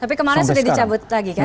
tapi kemarin sudah dicabut lagi kan